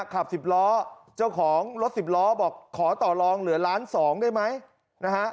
ขับสิบล้อเจ้าของรถสิบล้อบอกขอต่อลองเหลือล้านสองได้ไหมนะฮะ